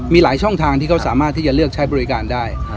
มีหลายช่องทางที่เขาสามารถที่จะเลือกใช้บริการได้